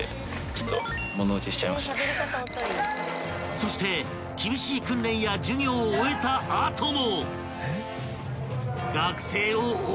［そして厳しい訓練や授業を終えた後も］